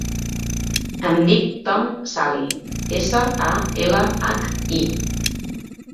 Em dic Tom Salhi: essa, a, ela, hac, i.